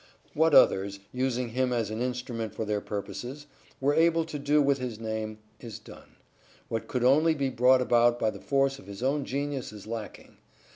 What others, using him as an instrument of their purposes, were able to do with his name, is done ; what could only be brought about by the force of his own genius is lacking.